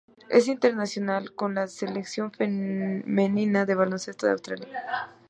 Es internacional con la selección femenina de baloncesto de Australia.